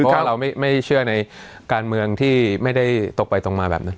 คือถ้าเราไม่เชื่อในการเมืองที่ไม่ได้ตกไปตรงมาแบบนั้น